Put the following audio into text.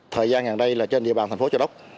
thời gian gần đây là trên địa bàn thành phố châu đốc